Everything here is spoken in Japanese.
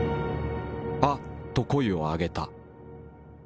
「あっ」と声を上げた。